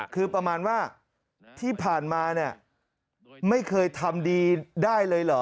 คือประมาณว่าที่ผ่านมาเนี่ยไม่เคยทำดีได้เลยเหรอ